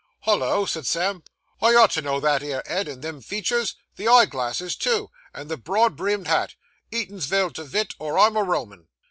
'Hollo!' said Sam, 'I ought to know that 'ere head and them features; the eyeglass, too, and the broad brimmed tile! Eatansvill to vit, or I'm a Roman.